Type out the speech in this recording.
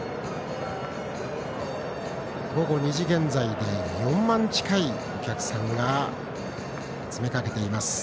午後２時現在で４万近いお客さんが詰めかけています。